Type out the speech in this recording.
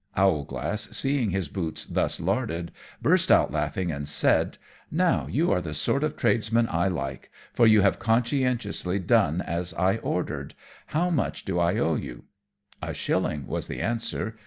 Owlglass, seeing his boots thus larded, burst out laughing, and said, "Now you are the sort of tradesman I like, for you have conscientiously done as I ordered; how much do I owe you?" "A shilling," was the answer.